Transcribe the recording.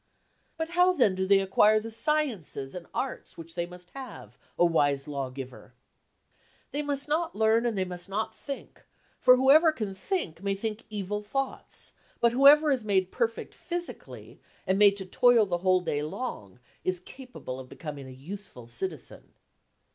£< 4 But how then do they acquire the sciences and arts which they must have, o wise lawgiver ? 5 £C c They must not learn and they must not think, for whoever can think may think evil thoughts, bur who ■*— ■fcver is made perfect physically and made to toil the whole day long is capable of becoming a useful citizen